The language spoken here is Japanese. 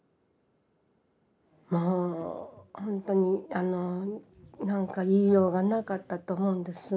もうほんとになんか言いようがなかったと思うんです。